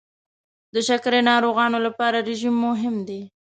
د شکرې ناروغانو لپاره رژیم مهم دی.